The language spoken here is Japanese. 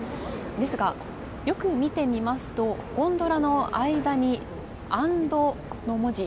ですが、よく見てみますとゴンドラの間に「＆」の文字。